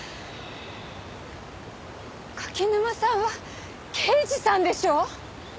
柿沼さんは刑事さんでしょ？